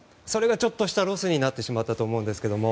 そこがちょっとしたロスになってしまったと思います。